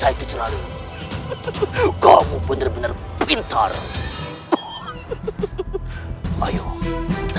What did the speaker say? ibu nda sebenarnya tidak rela